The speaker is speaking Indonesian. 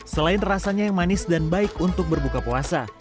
selain rasanya yang manis dan baik untuk berbuka puasa